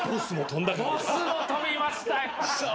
ボスも飛びましたね。